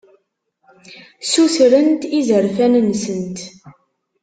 Sutrent izerfan-nsent.